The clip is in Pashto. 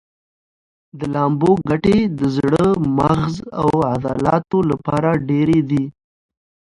د لامبو ګټې د زړه، مغز او عضلاتو لپاره ډېرې دي.